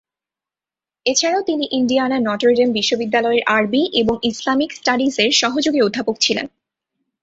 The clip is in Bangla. এছাড়াও তিনি ইন্ডিয়ানা নটরডেম বিশ্ববিদ্যালয়ের আরবি এবং ইসলামিক স্টাডিজের সহযোগী অধ্যাপক ছিলেন।